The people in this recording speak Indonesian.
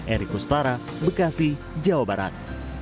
erik kustara bekasi jawa barat